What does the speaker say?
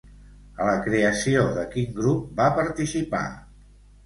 A la creació de quin grup va participar?